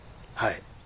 はい。